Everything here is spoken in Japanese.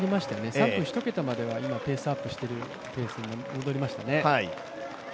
３分１桁まではペースアップして、ペース戻りましたね。